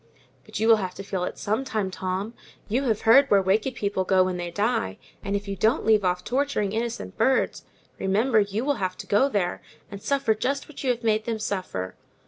"But you will have to feel it some time, Tom: you have heard where wicked people go to when they die; and if you don't leave off torturing innocent birds, remember, you will have to go there, and suffer just what you have made them suffer."